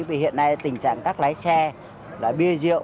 vì hiện nay tình trạng các lái xe là bia rượu